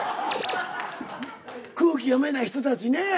空気読めない人たちねぇ。